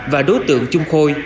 và đối tượng trung khôi